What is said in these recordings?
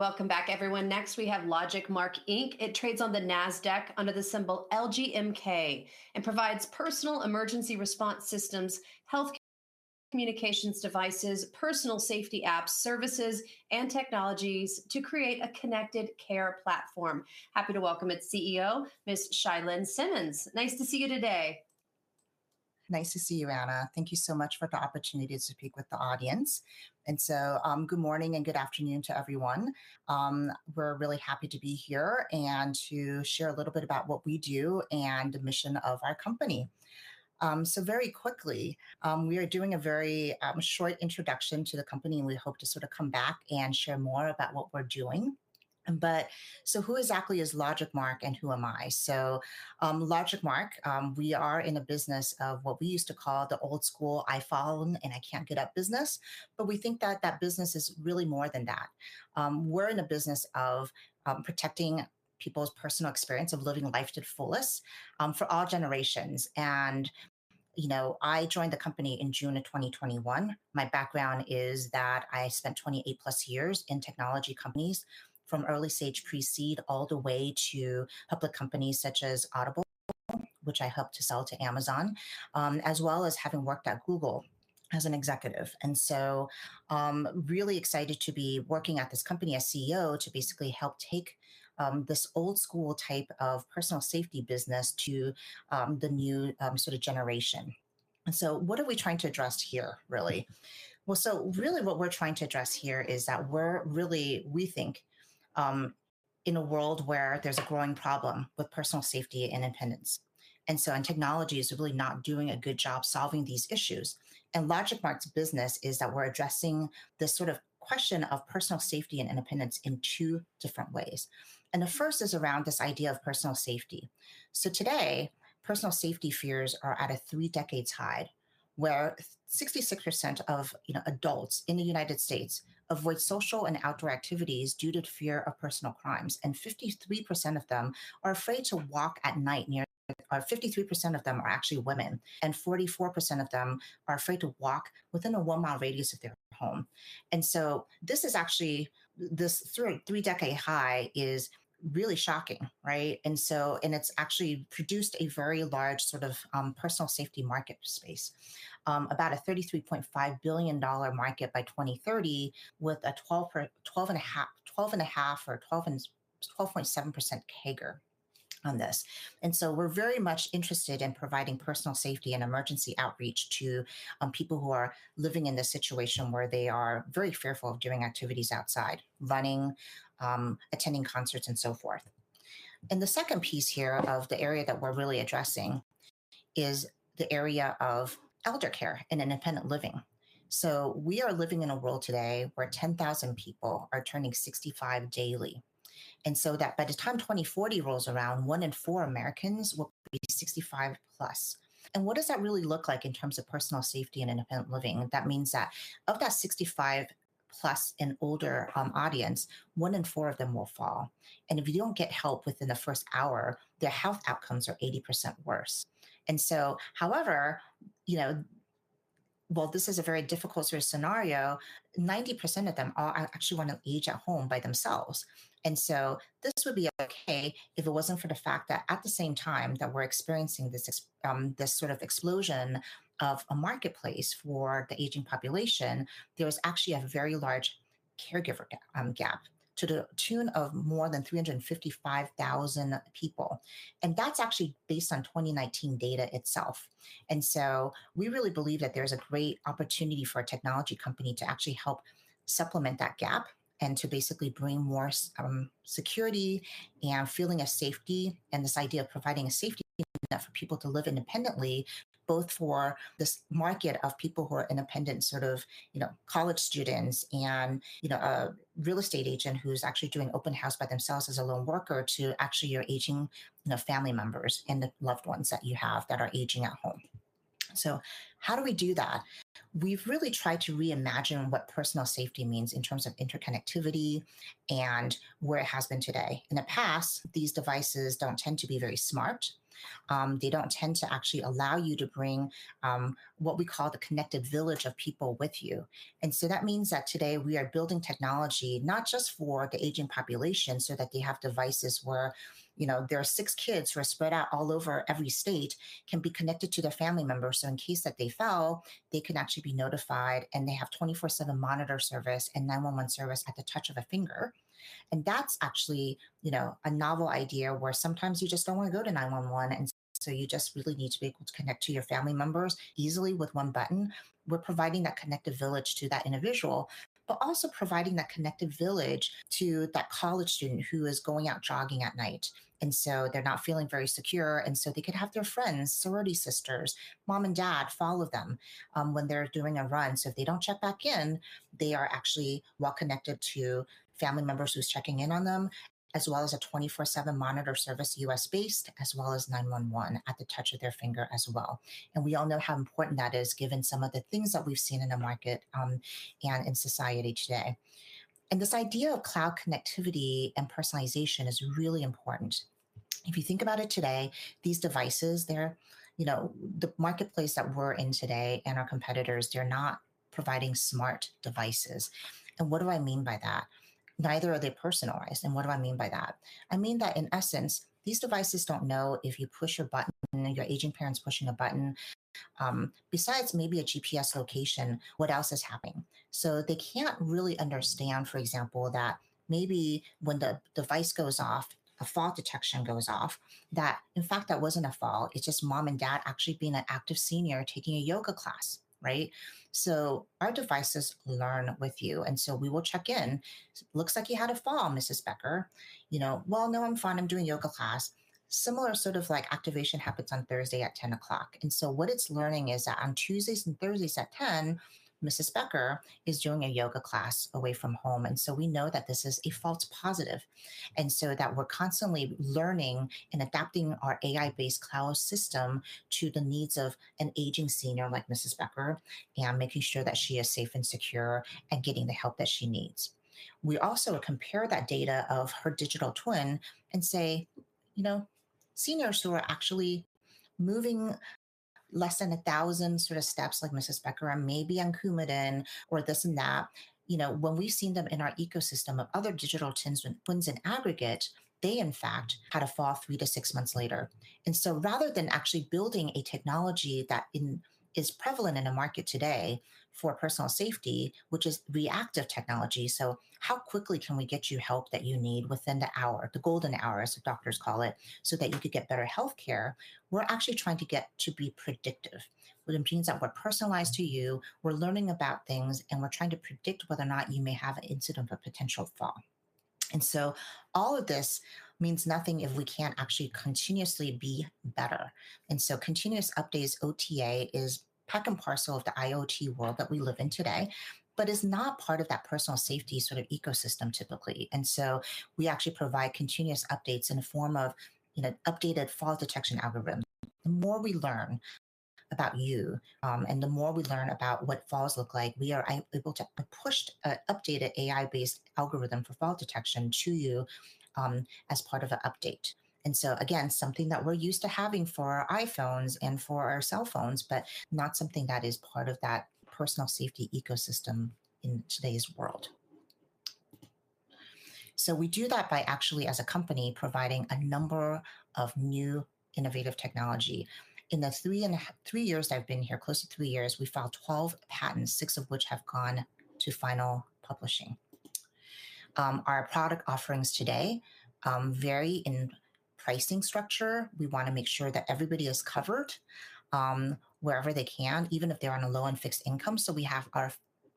Welcome back, everyone. Next, we have LogicMark, Inc. It trades on the Nasdaq under the symbol LGMK and provides personal emergency response systems, healthcare communications devices, personal safety apps, services, and technologies to create a connected care platform. Happy to welcome its CEO, Ms. Chia-Lin Simmons. Nice to see you today. Nice to see you, Anna. Thank you so much for the opportunity to speak with the audience. Good morning and good afternoon to everyone. We're really happy to be here and to share a little bit about what we do and the mission of our company. Very quickly, we are doing a very short introduction to the company, and we hope to sort of come back and share more about what we're doing. But who exactly is LogicMark, and who am I? LogicMark, we are in the business of what we used to call the old school I fall and I can't get up business, but we think that that business is really more than that. We're in the business of protecting people's personal experience of living life to the fullest, for all generations. You know, I joined the company in June of 2021. My background is that I spent 28+ years in technology companies, from early-stage pre-seed all the way to public companies such as Audible, which I helped to sell to Amazon, as well as having worked at Google as an executive. So, really excited to be working at this company as CEO to basically help take this old-school type of personal safety business to the new sort of generation. What are we trying to address here, really? Well, really what we're trying to address here is that we're really, we think, in a world where there's a growing problem with personal safety and independence, and so technology is really not doing a good job solving these issues. And LogicMark's business is that we're addressing this sort of question of personal safety and independence in two different ways, and the first is around this idea of personal safety. So today, personal safety fears are at a three-decade high, where 66% of, you know, adults in the United States avoid social and outdoor activities due to fear of personal crimes, and 53% of them are afraid to walk at night near, 53% of them are actually women, and 44% of them are afraid to walk within a 1-mile radius of their home. And so this is actually, this three-decade high is really shocking, right? And so, and it's actually produced a very large sort of, personal safety market space. About a $33.5 billion market by 2030, with a 12 point... 12.5% or 12.7% CAGR on this. So we're very much interested in providing personal safety and emergency outreach to people who are living in the situation where they are very fearful of doing activities outside: running, attending concerts, and so forth. The second piece here of the area that we're really addressing is the area of eldercare and independent living. We are living in a world today where 10,000 people are turning 65 daily, and so that by the time 2040 rolls around, one in four Americans will be 65+. What does that really look like in terms of personal safety and independent living? That means that of that 65+ and older audience, one in four of them will fall, and if you don't get help within the first hour, their health outcomes are 80% worse. However, you know, while this is a very difficult sort of scenario, 90% of them actually want to age at home by themselves. This would be okay if it wasn't for the fact that at the same time that we're experiencing this explosion of a marketplace for the aging population, there is actually a very large caregiver gap to the tune of more than 355,000 people, and that's actually based on 2019 data itself. And so we really believe that there's a great opportunity for a technology company to actually help supplement that gap and to basically bring more security and feeling of safety, and this idea of providing a safety net for people to live independently, both for this market of people who are independent, sort of, you know, college students and, you know, a real estate agent who's actually doing open house by themselves as a lone worker to actually your aging, you know, family members and the loved ones that you have that are aging at home. So how do we do that? We've really tried to reimagine what personal safety means in terms of interconnectivity and where it has been today. In the past, these devices don't tend to be very smart. They don't tend to actually allow you to bring what we call the connected village of people with you. And so that means that today we are building technology not just for the aging population, so that they have devices where, you know, their six kids who are spread out all over every state can be connected to their family members. So in case that they fell, they can actually be notified, and they have 24/7 monitor service and 911 service at the touch of a finger. And that's actually, you know, a novel idea, where sometimes you just don't want to go to 911, and so you just really need to be able to connect to your family members easily with one button. We're providing that connected village to that individual, but also providing that connected village to that college student who is going out jogging at night, and so they're not feeling very secure, and so they could have their friends, sorority sisters, Mom, and Dad follow them when they're doing a run. So if they don't check back in, they are actually well connected to family members who's checking in on them, as well as a 24/7 monitor service, U.S.-based, as well as 911 at the touch of their finger as well. And we all know how important that is, given some of the things that we've seen in the market, and in society today. And this idea of cloud connectivity and personalization is really important.... If you think about it today, these devices, they're, you know, the marketplace that we're in today and our competitors, they're not providing smart devices. And what do I mean by that? Neither are they personalized. And what do I mean by that? I mean that, in essence, these devices don't know if you push a button, or your aging parent's pushing a button, besides maybe a GPS location, what else is happening. So they can't really understand, for example, that maybe when the device goes off, a fall detection goes off, that, in fact, that wasn't a fall. It's just mom and dad actually being an active senior taking a yoga class, right? So our devices learn with you, and so we will check in. "Looks like you had a fall, Mrs. Becker." You know, "Well, no, I'm fine. I'm doing yoga class." A similar sort of like activation happens on Thursday at 10:00. And so what it's learning is that on Tuesdays and Thursdays at 10:00, Mrs. Becker is doing a yoga class away from home, and so we know that this is a false positive. And so that we're constantly learning and adapting our AI-based cloud system to the needs of an aging senior like Mrs. Becker and making sure that she is safe and secure and getting the help that she needs. We also compare that data of her digital twin and say, you know, seniors who are actually moving less than 1,000 sort of steps, like Mrs. Becker, and maybe on Coumadin or this and that, you know, when we've seen them in our ecosystem of other digital twins, twins in aggregate, they, in fact, had a fall three-six months later. And so rather than actually building a technology that is prevalent in the market today for personal safety, which is reactive technology, so how quickly can we get you help that you need within the hour, the Golden Hour, as the doctors call it, so that you could get better healthcare? We're actually trying to get to be predictive. Well, it means that we're personalized to you, we're learning about things, and we're trying to predict whether or not you may have an incident of a potential fall. And so all of this means nothing if we can't actually continuously be better. And so continuous updates, OTA, is part and parcel of the IoT world that we live in today, but is not part of that personal safety sort of ecosystem, typically. And so we actually provide continuous updates in the form of, you know, updated fall detection algorithms. The more we learn about you, and the more we learn about what falls look like, we are able to push an updated AI-based algorithm for fall detection to you, as part of an update. So, again, something that we're used to having for our iPhones and for our cell phones, but not something that is part of that personal safety ecosystem in today's world. We do that by actually, as a company, providing a number of new innovative technology. In the three years I've been here, close to three years, we've filed 12 patents, six of which have gone to final publishing. Our product offerings today vary in pricing structure. We wanna make sure that everybody is covered, wherever they can, even if they're on a low and fixed income. So we have our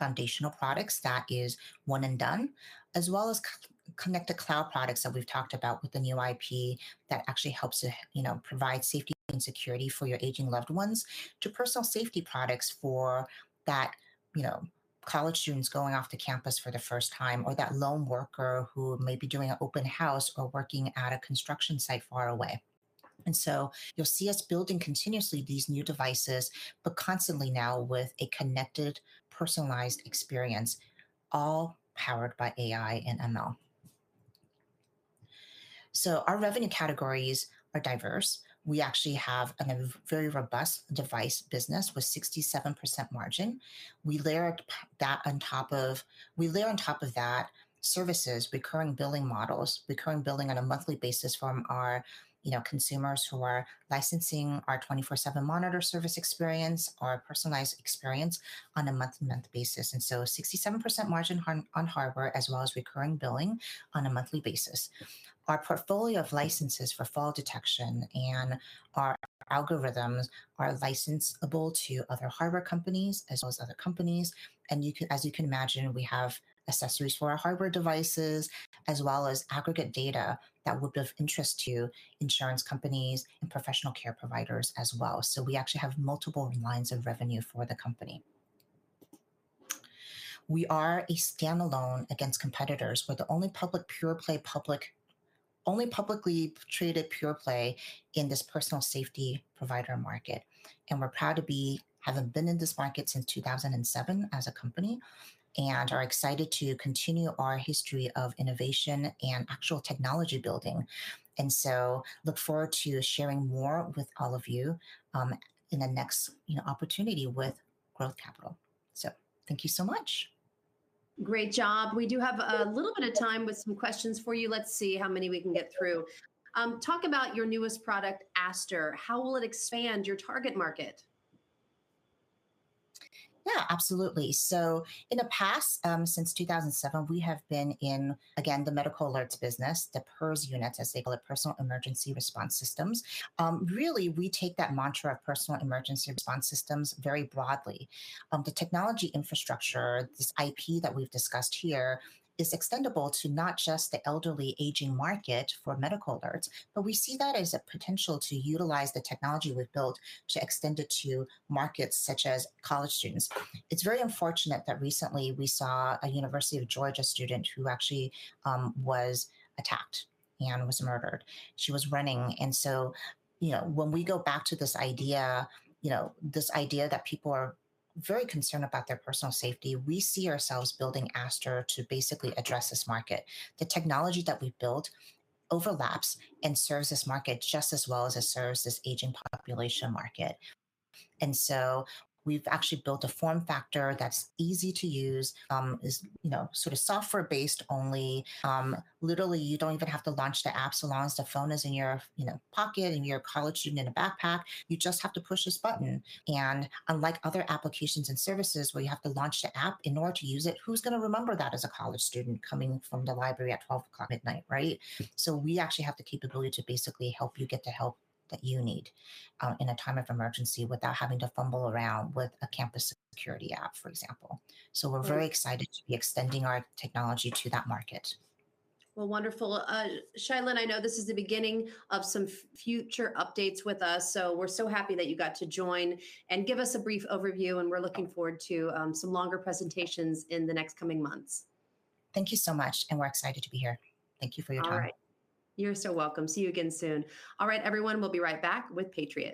foundational products, that is one and done, as well as connect-to-cloud products that we've talked about with the new IP that actually helps to, you know, provide safety and security for your aging loved ones, to personal safety products for that, you know, college students going off to campus for the first time, or that lone worker who may be doing an open house or working at a construction site far away. And so you'll see us building continuously these new devices, but constantly now with a connected, personalized experience, all powered by AI and ML. So our revenue categories are diverse. We actually have a very robust device business with 67% margin. We layer on top of that, services, recurring billing models, recurring billing on a monthly basis from our, you know, consumers who are licensing our 24/7 monitor service experience, our personalized experience, on a month-to-month basis. And so 67% margin on hardware, as well as recurring billing on a monthly basis. Our portfolio of licenses for fall detection and our algorithms are licensable to other hardware companies as well as other companies. As you can imagine, we have accessories for our hardware devices, as well as aggregate data that would be of interest to insurance companies and professional care providers as well. So we actually have multiple lines of revenue for the company. We are a standalone against competitors. We're the only public pure-play public, only publicly traded pure-play in this personal safety provider market. We're proud to be having been in this market since 2007 as a company, and are excited to continue our history of innovation and actual technology building. So look forward to sharing more with all of you, in the next, you know, opportunity with growth capital. Thank you so much. Great job. We do have a little bit of time with some questions for you. Let's see how many we can get through. Talk about your newest product, Aster. How will it expand your target market? Yeah, absolutely. So in the past, since 2007, we have been in, again, the medical alerts business, the PERS units, as they call it, personal emergency response systems. Really, we take that mantra of personal emergency response systems very broadly. The technology infrastructure, this IP that we've discussed here, is extendable to not just the elderly aging market for medical alerts, but we see that as a potential to utilize the technology we've built to extend it to markets such as college students. It's very unfortunate that recently we saw a University of Georgia student who actually was attacked and was murdered. She was running. And so, you know, when we go back to this idea, you know, this idea that people are very concerned about their personal safety, we see ourselves building Aster to basically address this market. The technology that we've built overlaps and serves this market just as well as it serves this aging population market. So we've actually built a form factor that's easy to use, you know, sort of software-based only. Literally, you don't even have to launch the app, so long as the phone is in your, you know, pocket, in a college student's backpack. You just have to push this button. And unlike other applications and services, where you have to launch the app in order to use it, who's gonna remember that as a college student coming from the library at 12:00 A.M., right? So we actually have the capability to basically help you get the help that you need in a time of emergency without having to fumble around with a campus security app, for example. We're very excited to be extending our technology to that market. Well, wonderful. Chia-Lin, I know this is the beginning of some future updates with us, so we're so happy that you got to join and give us a brief overview, and we're looking forward to some longer presentations in the next coming months. Thank you so much, and we're excited to be here. Thank you for your time. All right. You're so welcome. See you again soon. All right, everyone, we'll be right back with Patriot.